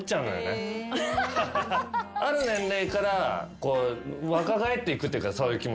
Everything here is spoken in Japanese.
ある年齢から若返っていくっていうかそういう気持ちが。